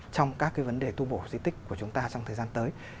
trong các cái vấn đề tu bổ di tích của chúng ta trong thời gian tới